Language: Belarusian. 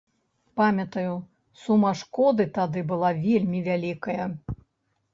Памятаю, сума шкоды тады была вельмі вялікая.